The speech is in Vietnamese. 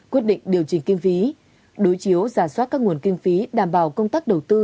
quyết định điều chỉnh kinh phí đối chiếu giả soát các nguồn kinh phí đảm bảo công tác đầu tư